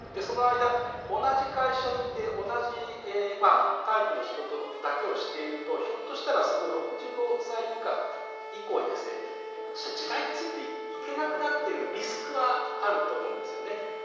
その間同じ会社にいて同じタイプの仕事だけをしているとひょっとしたら６５歳以降にですね時代についていけなくなってるリスクはあると思うんですよね。